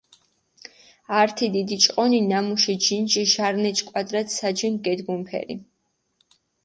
ართი დიდი ჭყონი, ნამუში ჯინჯი ჟარნეჩი კვადრატ საჯენ გედგუნფერი.